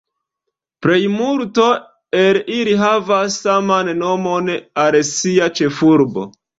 Plejmulto el ili havas saman nomon al sia ĉefurbo.